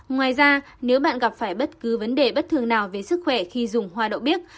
ngoài ra nếu bạn gặp phải bất cứ vấn đề bất thường nào về sức khỏe khi dùng hoa đậu bí